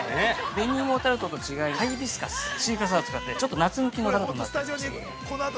◆紅いもタルトと違いましてハイビスカス、シークワーサーを使って、ちょっと夏向きのタルトになっておりますので。